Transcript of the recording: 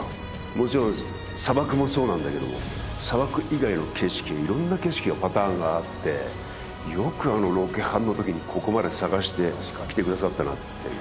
もちろん砂漠もそうなんだけども砂漠以外の景色色んな景色やパターンがあってよくあのロケハンの時にここまで探してきてくださったなっていう